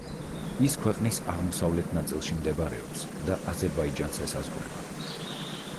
ის ქვეყნის აღმოსავლეთ ნაწილში მდებარეობს და აზერბაიჯანს ესაზღვრება.